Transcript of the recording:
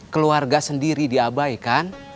keluarga sendiri diabaikan